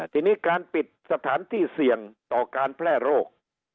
ทีนี้การปิดสถานที่เสี่ยงต่อการแพร่โรค